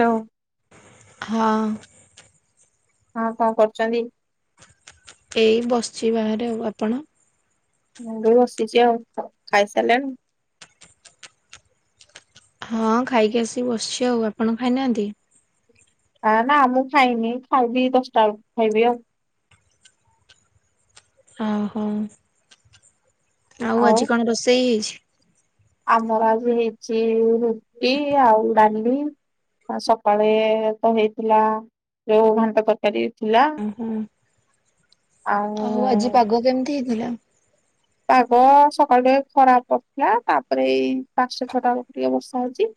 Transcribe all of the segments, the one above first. ଲୋ ଓ ହଁ ହଁ କଣ କରୁଚନ୍ତି? ଏଇ ବସିଚି ବାହାରେ ଆଉ ଆପଣ ମୁଁ ବି ବସିଚି ଆଉ ଖାଇ ସାରିଲେଣି? ହଁ ଖାଇକି ଆସିକି ବସିଚି ଆଉ ଆପଣ ଖାଇନାହାନ୍ତି ଆ ନା ମୁଁ ଖାଇନି ଖାଇବି ଦଶଟା ବେଳୁ ଖାଇବି ଆଉ ଓହୋ ଆଉ ଆଜି କଣ ରୋଷେଇ ହେଇଚି? ଆମର ଆଜି ହେଇଚି ରୁଟି ଆଉ ଡାଲି ଆ ସକାଳେ ତ ହେଇଥିଲା ଯୋଉ ଘାଣ୍ଟ ତରକାରୀ ଥିଲା ଉଁ ହୁଁ ଆହୁ ଆଜି ଆଉ ପାଗ କେମିତି ହେଇଥିଲା? ପାଗ ସକାଳୁ ଟିକେ ଖରା କରିଥିଲା ତାପରେ ଏଇ ପାଂଶଟା ଛଅଟା ବେଳୁକୁ ଟିକେ ବର୍ଷା ହଉଚି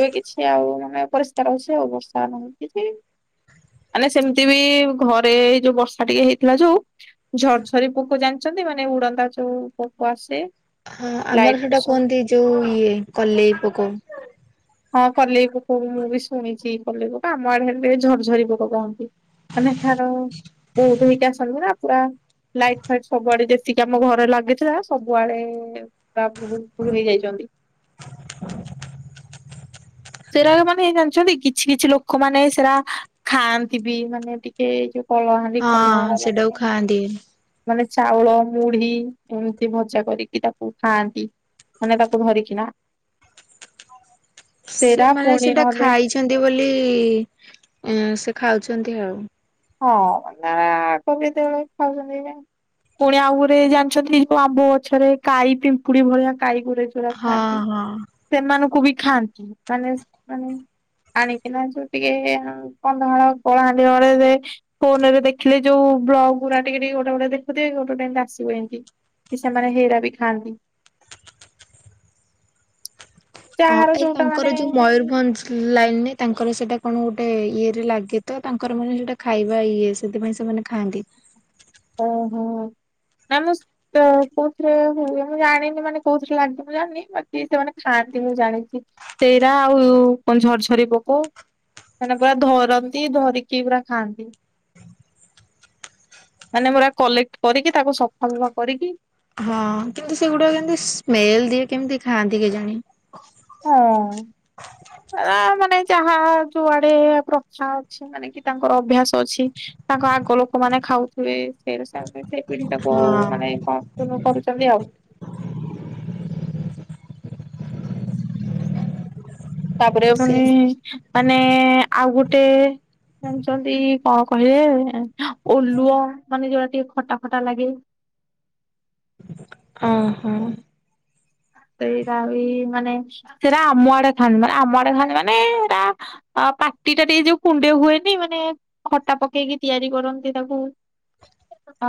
ଏ କିଛି ଆଉ ମାନେ ପରିଷ୍କାର ହଉଚି ଆଉ ବର୍ଷା ପାଣି ଉଠିଚି ମାନେ ସେମିତି ବି ଘରେ ଏଇ ଯୋଉ ବର୍ଷା ଟିକେ ହେଇଥିଲା ଯୋଉ ଝରଝରି ପୋକ ଜାଣିଚନ୍ତି ମାନେ ଉଡନ୍ତା ଯୋଉ ପୋକ ଆସେ ଆ ଲାଇଟ ଆମର ସେଇଟା ପୋକ କୁହନ୍ତି ଯୋଉ ଇଏ କଲେଇ ପୋକୋ ହଁ କଲେଇ ପୋକ ମୁଁ ବି ଶୁଣିଚି କଲେଇ ପୋକ ଆମ ଆଡେ [unintelligible] ଝରଝରି ପୋକ କହନ୍ତି। ମାନେ ଠାର ଦୁଇ ଦୁଇଟା ଆସନ୍ତିନା ପୁରା ଲାଇଟ୍ ଫାଇଟ୍ ସବୁଆଡେ ଯେତିିକି ଆମ ଘରେ ଲାଗିଥିଲା ସବୁଆଡେ ତା ଭହୁତ ଭୁଲ ହେଇଯାଇଛନ୍ତି। ସେଟା ମାନେ ଜାଣିଛନ୍ତି କିଛି କିଛି ଲୋକମାନେ ସେରା ଖାଆନ୍ତି ବି ମାନେ ଟିକେଇ ଯୋଉ କଳହାଣ୍ଡି ହଁ କନ୍ଧମାଳ ସେଟାକୁ ଲୋକ। ଖାଆନ୍ତି ମାନେ ଚାଉଳ ମୁଢି ଏମିତି ଭଜା କରିକି ତାକୁ ଖାଆନ୍ତି। ମାନେ ତାକୁ ଧରିକି ନା ସେରା ସେମାନେ ପୁଣି ସେଇଟା ନହେଲେ ଖାଇଛନ୍ତି ବୋଲି ସେ ଖାଉଛନ୍ତି ଆଉ। ହଁ ନା କବ କେତେବେଳେ ଖାଉଛନ୍ତି। ପୁଣି ଆଉ ଗୋରେ ଜାଣିଛନ୍ତି ଯୋଉ ଆମ୍ବ ଗଛରେ କାଈ ପିମ୍ପୁଡି ଭଳିଆ କାଈ ଗୋରେ ରା ହଁ ଖାଆନ୍ତି ହଁ ସେମାନଙ୍କୁ ବି ଖାଆନ୍ତି ମାନେ ମାନେ ଆଣିଥିଲା ଯୋଉ ଟିକେ କନ୍ଧମାଳ କଳାହାଣ୍ଡି ବଡେଇ ଦେ ଫୋନ ରେ ଦେଖିଲ ଯୋଉ ବ୍ଲଗ୍ ଗୁଡା ଟିକେ ଟିକେ ଗୋଟେ ଗୋଟେ ଦେଖୁଦେ ଗୋଟେଏମ୍ତି ଆସିବ ଏମିତି। କି ସେମାନେ ହେଇରା ବି ଖାଆନ୍ତି। ହଁ ଯାହାର ଏଇ ଯୋଉଟା ମାନେ ତାଙ୍କର ଯୋଉ ମୟୂରଭଞ୍ଜ ଲାଇନ ନାଇ ତାଙ୍କର ସେଇଟା କଣ ଗୋଟେ ଇଏ ରେ ଲାଗେ ତ ତାଙ୍କର ମାନେ ସେଟା ଖାଇବା ଇଏ ସେଥିପାଇଁ ସେମାନେ ଖାଆନ୍ତି। ଓହୋ ଆ ମୁଁ ତ କୋଉଥିରେ ହୁଏ ମୁଁ ଜାଣିନି ମାନେ କୋଉଥିରେ ଲାଗିିବ ମୁଁ ଜାଣିନି ମତେ ସେମାନେ ଖାଆନ୍ତି ମୁଁ ଜାଣିଛି। ସେଇରା ଆଉ କଣ ଝରଝର ପୋକ। ମାନେ ପୁରା ଧରନ୍ତି ଧରିକି ପୁରା ଖାଆନ୍ତି। ମାନେ ପୁରା କଲେକ୍ଟ କରିକି ତାକୁ ସଫା ସଫା କରିକି ହଁ କିନ୍ତୁ ସେଗୁଡା କେମତି ସ୍ମେଲ ଦିଏ କେମିତି ଖାଆନ୍ତି କେଜାଣି? ହଁ ମାନେ ଯାହା ଯୁଆଡେ ପ୍ରଥା ଅଛି। ମାନେ କି ତାଙ୍କର ଅଭ୍ୟାସ ଅଛି ତାଙ୍କ ଆଗ ଲୋକମାନନେ ଖାଉଥିବେ ସେ ସେଇ ପିଢିଟାକୁ ମାନେ ହଁ କଣ କରୁଛନ୍ତି ଆଉ। ତାପରେ ସେ ପୁଣି ମାନେ ଆଉ ଗୋଟେ ଜାଣିଛନ୍ତି କଣ କହିଲେ ଓଲୁଅ ମାନେ ଯୋଉଟା ଟିକେ ଖଟା ଖଟା ଲାଗେ। ହଁ ହଁ। ସେଇଟା ବି ମାନେ ସେଇଟା ଆମ ଆଡେ ଥାଆନ୍ତି ମାନେ ଆମ ଆଡେ ଥାଆନ୍ତି ମାନେ ସେଇଟା ଆ ପାଟି ଟା ଟିକେ ଯୋଉ କୁଣ୍ଡେ ହୁଏନି ମାନେ ଖଟା ପକେଇକି ତିଆରି କରନ୍ତି ତାକୁ।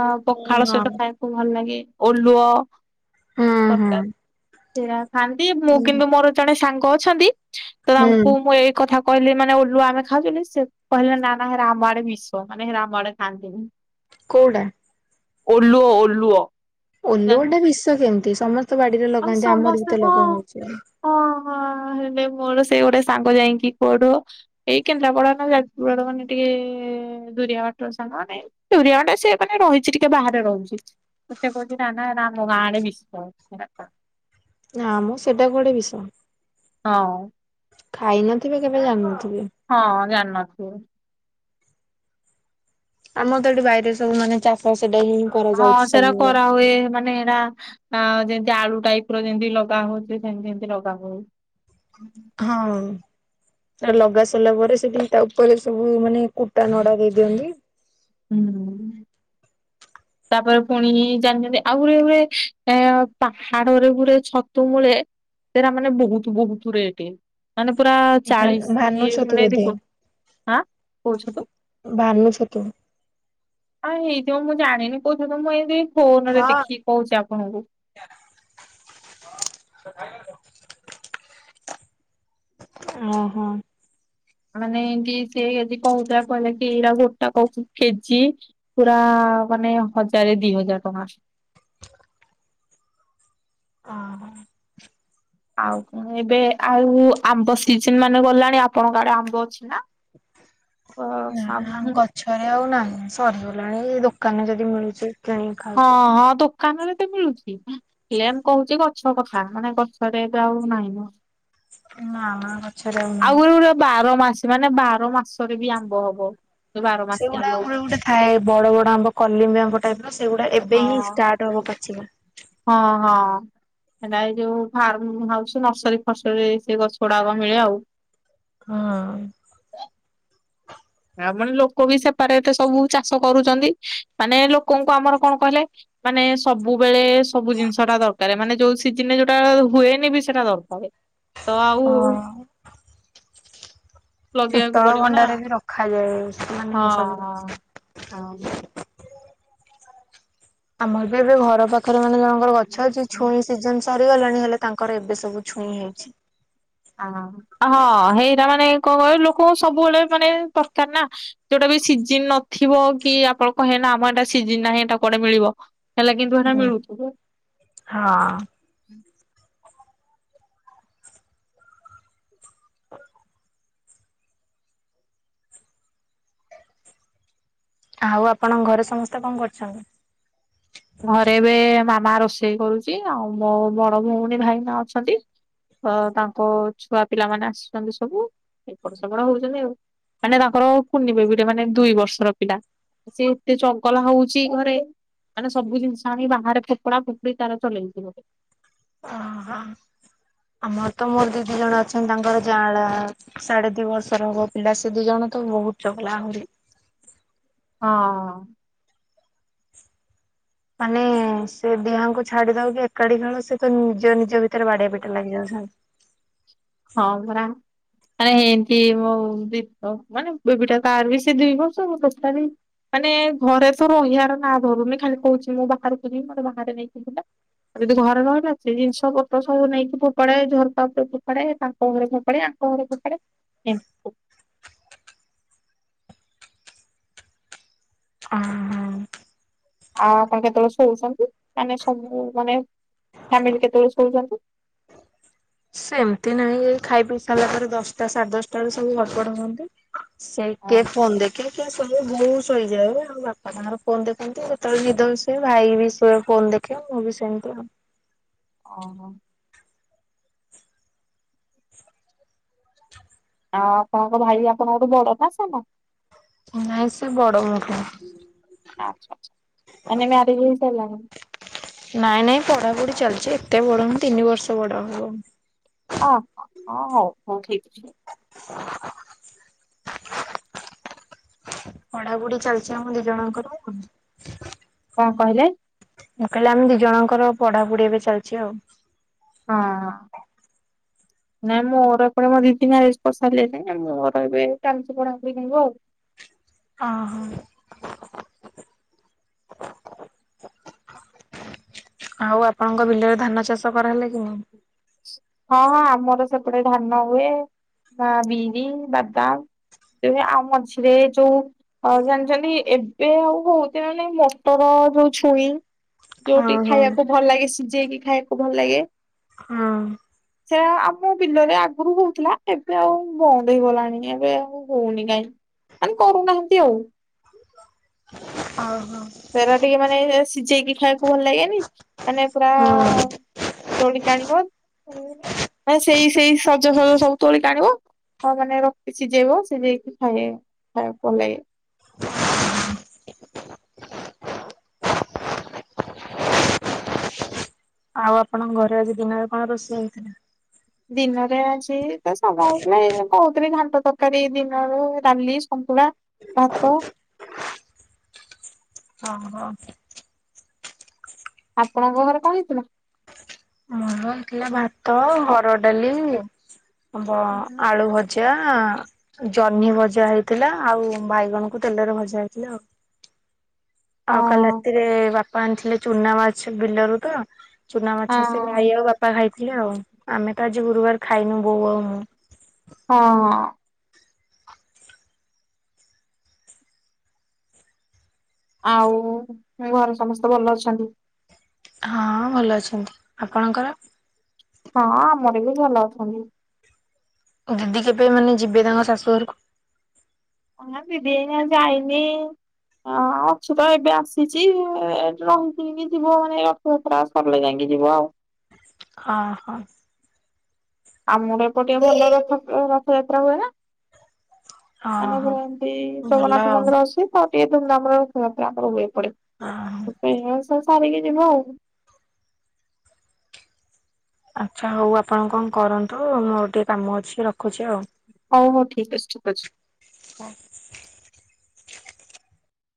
ଆ ପଖାଳ ସହିତ ହଁ ଖାଇବାକୁ ଭଲ ଲାଗେ ଓଲୁଅ ହଁ ଦରକାର ସେରା ଖାଆନ୍ତି ମୁଁ କିନ୍ତୁ ମୋର ଜଣେ ସାଙ୍ଗ ଅଛନ୍ତି ତ ହୁଁ ତାଙ୍କୁ ମୁଁ ଏଇ କଥା କହିଲି ମାନେ ଓଲୁ ଆମେ ଖାଉଛନ୍ତି ସେ କହିଲେ ନା ନା ରାମ ଆଡ ବିଷ ମାନେ ରାମ ଆଡେ ଖାନ୍ତି ନି। କଉଡା? ଓଲୁଅ ଓଲ୍ଲୁଅ। ଓଲୁଅ ଟେ ବିଷ କେମିତି ସମସ୍ତ ବାଡିରେ ଲଗାନ୍ତି ଆମର ବି ତ ଲଗା ହଉଛି ଆଉ। ଓ ହୋ ହେଲେ ମୋର ସେ ଗୋଟେ ସାଙ୍ଗ ଯାଇକି କୁଆଠୁ ଏଇ କେନ୍ଦ୍ରାପଡା ନା ଯାଜପୁର ମାନେ ଟିକେ ଦୁରିଆ ବାଠର ସାଙ୍ଗ ମାନେ ତୁରିଆ ଟା ସେ ମାନେ ରହିଛି ଟିକେ ବାହାରେ ରହୁଛି। ମତେ କହୁଛି ନା ନା ହେରା ଆମ ଗାଁ ଆଡେ ବିଷ ନା ମୁଁ ସେଇଟା ଗୋଟେ ବିଷ ହଁ। ଖାଇ ନଥିବେ କେବେ ଜାଣିନଥିବେ। ହଁ ଜାନ ନଥିବ। ଆମର ତ ଏଠି ବାାଇରେ ସବୁ ମାନେ ଚାଷ ସେଟା ହିଁ ହଁ କରାଯାଉଛି ସେଟା ସବୁବେଳେ। କରାହୁଏ ମାନେ ଏଇଟା ଆ ଯେମତି ଆଳୁ ଟାଇପ ର ଯେମତି ଲଗା ହଉଛି ସେମତି ସେମତି ଲଗା ହଉ। ହଁ। ଆ ଲଗା ସାରିଲା ପରେ ସେଠି ତା ଉପରେ ସବୁ ମାନେ କୁଟା ନଡା ଦେଇ ଦିଅନ୍ତି। ହୁଁ। ତାପରେ ପୁଣି ଜାଣିଛନ୍ତି ଆଉ ଗୁରେ ଗୁରେ ଏ ପାହାଡରେ ଗୁରେ ଛତୁ ମୂଳେ ସେରା ମାନେ ବହୁତୁ ବହୁତୁ ରେଟେ। ମାନେ ପୁରା ଭାନୁ ଚାଳିଶି ଛତୁ ମାନେ ଏଠି ବୋଧେ ଗୋ ଆଁ କୋଉ ଛତୁ? ଭାନୁ ଛତୁ। ଆଁ ହେଇଥିବ ମୁଁ ଜାଣିନି କୋଉ ଛତୁ ମୁଁ ଏମିତିବି ଫୋନରେ ହଁ। ଦେଖିକି କହୁଛି ଆପଣଙ୍କୁ। ଆସ ଖାଇବ ଆସ। ମହୋ। ମାନେ ଏମତି ସେ ଆଜି କହୁଥିଲା କହିଲା କି ଏଇରା ଗୋଟାକ କେଜିଏ। ପୁରା ମାନେ ହଜାରେ ଦି ହଜାର ଟଙ୍କା। ଓହୋ। ଆଉ କଣ ଏବେ ଆଉ ଆମ୍ବ ସିଜିନ୍ ମାନେ ଗଲାଣି ଆପଣଙ୍କ ଆଡେ ଆମ୍ବ ଅଛି ନା? ଅ ଆଉ ନା ନାହିଁ। ଗ ଛରେ ଆଉ ନାହିଁ ସରିଗଲାଣି ଏଇ ଦୋକାନରେ ଯଦି ମିଳୁଛି। କିଣିକି ହଁ ଖାଉଛୁ। ହଁ ଦୋକାନରେ ତ ମିଳୁଛି ହେଲେ ମ୍ କହୁଛି ଗ ଛ କଥା ମାନେ ଗଛରେ ଏବେ ଆଉ ନାହିଁନ। ନା ନା ଗ ଆଉ ଗୋଟେ ଗୋଟେ ବାର ମାସି ମାନେ ବାର ମାସରେ ବି ଆମ୍ୱ ହବ। ଯୋଉ ବାର ମାସି ସେଗୁଡା ଆମ୍ବ ଗୋଟେ ଗୁରା ଗୋଟେ ଥାଏ ବଡ ବଡ ଆମ୍ବ କଲିମି ଆମ୍ବ ଟାଇପ୍ ର ସେଗୁଡା ଏବେ ହଁ ହିଁ ଷ୍ଟାଟ୍ ଟ ହବ ପାଚିବା। ହଁ ହଁ। ହେରା ଏଯୋଉ ଫାର୍ମ ହାଉସ୍ ନର୍ସରୀ ଫର୍ଶରିରେ ସେ ଗଛ ଗୁଡାକ ମିଳେ ଆଉ। ହଁ। ଆ ମାନେ ଲୋକ ବି ସେପାରେଟ ସବୁ ଚାଷ କରୁଛନ୍ତି, ମାନେ ଲୋକଙ୍କୁ ଆମର କଣ କହିଲେ ମାନେ ସବୁବେଳେ ସବୁ ଜିନିଷଟା ଦରକାରେ ମାନେ ଯୋଉ ସିଜିନରେ ଯୋଉଟା ହୁଏନି ବି ସେଟା ଦରକାରେ। ତ ଆଉ ହଁ ଲଗେଇବାକୁ ଶୀତଳ ପଡିବ ନା ଭଣ୍ଡାରେ ବି ରଖାଯାଏ। ମାନେ ହଁ ସବୁ ହଁ ଆଉ। ଆମର ବି ଏବେ ଘର ପାଖରେ ମାନେ ଜଣଙ୍କର ଗଛ ଅଛି ଛୁଇଁ ସିଜନ୍ ସରିଗଲାଣି ହେଲେ ତାଙ୍କର ଏବେ ସବୁ ଛୁଇଁ ହେଇଛି। ଆଁ ହଁ ହେଇଟା ମାନେ କଣ କହିଲୁ ଲୋକଙ୍କୁ ସବୁବେଳେ ମାନେ ଦରକାର ନା। ଯୋଉଟା ବି ସିଜିିନ୍ ନଥିବ କି ଆପଣ କହେନା ଆମ ଏଟା ସିଜିନ୍ ନାହିଁ ଏଟା କୁଆଡେ ମିଳିବ। ହଲେ କିନ୍ତୁ ହେଟା ହୁଁ। ମିଳୁଥିବ। ହଁ। ଆଉ ଆପଣଙ୍କ ଘରେ ସମସ୍ତେ କଣ କରୁଛନ୍ତି? ଘରେ ଏବେ ମାମା ରୋଷେଇ କରୁଛି ଆଉ ମୋ ବଡ ଭଉଣୀ ଭାଇନା ଅଛନ୍ତି। ତ ତାଙ୍କ ଛୁଆ ପିଲାମାନେ ଆସିଛନ୍ତି ସବୁ। ଏପଟ ସେପଟ ହଉଛନ୍ତି ଆଉ ମାନେ ତାଙ୍କର କୁନି ବେବି ଟେ ମାନେ ଦୁଇ ବର୍ଷର ପିଲା। ସେ ଏତେ ଚଗଲା ହଉଛି ଘରେ ମାନେ ସବୁ ଜିନିଷ ଆଣି ବାହାରେ ଫୋପଡା ଫୋପଡ଼ି ତାର ଚଲେଇଥିବ। ଅ ହ। ଆମର ତ ମୋର ଦିଦି ଜଣେ ଅଛନ୍ତି ତାଙ୍କର ଯାଆଁଳା ସାଢେ ଦି ବର୍ଷର ହବ। ପିଲା ସେ ଦୁଇ ଜଣ ତ ବହୁତ ଚଗଲା ହୁଅନ୍ତି। ହଁ। ମାନେ ସେ ଦିହଙ୍କୁ ଛାଡି ଦଉ କି ଏକାଠି ଖେଳ ସେ ତ ନିଜ ନିଜ ଭିତରେ ବାଡିଆ ପିଟା ଲାଗିଯାଉଛନ୍ତି। ହଁ ପରା। ଆ ଏମତି ମୋ ଦି ମାନେ ବେବିଟା ତାର ବି ସେ ଦୁଇ ବର୍ଷ ମୁଁ ଟୋଟାଲି ମାନେ ଘରେ ତ ରହିଆର ନାଁ ଧରୁନି ଖାଲି କହୁଛି ମୁଁ ବାହାରକୁ ଯିବି ମୋତେ ବାହାରେ ନେଇକି ବୁଲା। ଯଦି ଘରେ ରହିଲା ସେ ଜିନିଷ ପତ୍ର ସବୁ ନେଇକି ଫୋପାଡେ ଝରକା ଉପରେ ଫୋ ପାଡେ ତାଙ୍କ ଘର ଫୋପାଡେ ଆଙ୍କ ଘରେ ଫୋପାଡେ ଏମତି ହଁ ହଁ। ଆଉ ଆପଣ କେତେବେଳେ ଶୋଉଛନ୍ତି ମାନେ ସ ମାନେ ଫାମିଲି କେତେବେଳେ ଶୋଉଛନ୍ତି? ସେମିତି ନାହିଁ ଖାଇ ପିଇ ସାରିଲା ପରେ ଦଶଟା ସାଢେ ଦଶଟା ବେଳେ ସବୁ ଘରପଡା ହୁଅନ୍ତି। ସେଇ କେ ହଁ ଫୋନ ଦେଖ [unintelligible] ବହୁତ ସହିଯାଏ ଆଉ ବାପା ତାଙ୍କର ଫୋନ ଦେଖନ୍ତି ଯେତେବେଳେ ନିଦ ହ ସିଏ ଭାଇ ବି ଶ ଫୋନ ଦେଖ ଆଖଁ ବି ସେମିତିଉ। ଓହୋ। ଆ ଆପଣ ଙ୍କ ଭାଇ ଆପଣଙ୍କ ଗୋଠୁ ବଡ ନା ସାନ। ନାଇଁ ସେ ବଡ ମୋ ଠୁ। ଆଛାଛା ମାନେ ମ୍ୟାରେଜ୍ ହେଇ ସାଇଲାଣି। ନାଇଁ ନାଇଁ ପଢାପଢି ଚାଲିଛି ଏତେ ବଡ ହନି ତିନି ବର୍ଷ ବଡ ହବ। ହ ହଁ ହଉ ହଉ ଠିକ୍ ଛି। [inaudible] ପଢା ବୁଢି ଚାଲିଛି ଆମ ଦି ଜଣଙ୍କର। କଁ କହିଲେ? ମୁଁ କହିଲେ ଆମେ ଦି ଜଣଙ୍କର ପଢାପଢି ଏବେ ଚାଲିଛି ଆଉ। ହଁ। ନାଇଁ ମୋର ଏପଟେ ମୋ ଦି ଦି ମ୍ୟାରେଜ୍ କରିସାରିଲେଣି ମୋର ଏବେ ଚାଲଛି ପଢ଼ାପଢ଼ି ଆଉ। ଅହୋ। ଆଉ ଆପଣଙ୍କ ବିଲରେ ଧାନ ଚାଷ କରାହେଲେ କି ନାଇଁ? ହଁ ହଁ ଆମର ସେପଟେ ଧାନ ହୁଏ ବା ବିରି, ବାଦାମ ତେବେ ଆଉ ମଝିରେ ଯୋଉ ହଁ ଜାଣିଛନ୍ତି ଏବେ ଆଉ ହଉଥ ନାଇ ମଟର ଯୋଉ ଛୁଇଁ ହଁ ଯୋଉଠି ହଁ। ଖାଇବାକୁ ଭଲ ଲାଗେ ସିଝେଇକି ଖାଇବାକୁ ଭଲ ଲାଗେ ହଁ। ସେଆ ଆମ ବିଲରେ ଆଗରୁ ହଉଥିଲା ଏବେ ଆଉ ବନ୍ଦ ହେଇଗଲାଣି ଏବେ ଆଉ ହଉନି କାଇଁ ମାନ କରୁନାହାନ୍ତି ଆଉ। ଓହୋ। ତେର ଟିକେ ମାନେ ସିଝେଇକି ଖାଇବାକୁ ଭଲ ଲାଗେନି ମାନେ ପୁରା ହଁ ତୋଳିିକ ଆଣିବ ସେଇ ସେଇ ସଜସଜ ସବୁ ତୋଳି ଆଣିବ। ହଁ ମାନେ ରଖି ସିଝେଇବ ସିଝେଇକି ଖାଇ ଖାଇବା ପଲେଗେ। ଆଉ ଆପଣଙ୍କ ଘରେ ଆଜି ଦିନରେ କଣ ରୋଷେଇ ହେଇଥିଲା? ଦିନରେ ଅଛି ତ ସାଙ୍ଗ ଆଇଥିଲେ ଏ କହୁଥିଲି ଘାଣ୍ଟ ତରକାରୀ ଦିନରୁ ରାଲି, ଶନ୍ତୁଳା ହାତ ହଁ ହଁ। ଆପଣଙ୍କ ଘରେ କଣ ହେଇଥିଲା? ମୋର ହେଥିଲା ଭାତ, ହର ଡାଲି, ବ ହଁ ଆଳୁ ଭ ଚା ଆ ଜହ୍ନି ଭଜା ହେଇଥିଲା ଆଉ ବାଇଗଣକୁ ତେଲରେ ଭଜା ହେଇଥିଲା ଆଉ। ଆଉ କାଲି ରାତିରେ ବାପା ଆଣିଥିଲେ ଚୁନା ମାଛ ବିଲରୁ ତ ଚୁନା ମାଛ। ହଁ [unintelligible] ବାପା ଖାଇଥିଲେ ଆଉ ଆମେ ତ ଆଜି ଗୁରୁବାର ଖାଇନୁ ବୋଉ ଆଉ ମୁଁ। ହଁ। ଆଉ ଘରେ ସମସ୍ତେ ଭଲ ଅଛନ୍ତି। ହଁ ଭଲ ଅଛନ୍ତି ଆପଣଙ୍କର। ହଁ ଆମର ବି ଭଲ ଅଛନ୍ତି। ତ ଦିଦି କେବେ ମାନେ ଯିବେ ତାଙ୍କ ଶାଶୁଘରକୁ? ହ ଦିଦି ଏଇ ନା ଯାଇନି ହ ଅଛ ତ ଏବେ ଆସିଛି ଏଠି ରହିଥିନି କି ଜିବ ମାନେ ତ୍ରାସ କରଲେ ଯାଇକି ଯିବ ଆଉ। ହ, ହଁ। ଆମର ଏପଟେ ଭଲ ରଥ ରଥଯାତ୍ରା ହୁଏ ନା। ହଁ ଆମ ହଁ ଘର ଏମିତି ଭଲ ଜଗନ୍ନାଥ ଆଉ। ମନ୍ଦିର ଅଛି। ହଁ ଧୁମ୍ ଧାମ୍ ରେ [unintelligible] ଆମର ହୁଏ ହଁ ଏପଟେ। ସେ ସାରିକି ଯିବ ଆଉ। ଆଚ୍ଛା ହଉ ଆପଣ କଣ କରନ୍ତୁ। ମୋର ଟିକେ କାମ ଅଛି ରଖୁଛି ଆଉ। ହଉ ହଉ ଠିକ୍ ଅଛି, ଠିକ୍ ଅଛି। ହଁ।